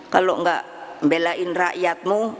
kalau nggak belain rakyatmu